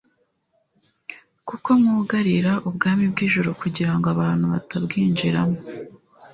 kuko mwugarira ubwami bw'ijuru kugira ngo abantu batabwinjiramo;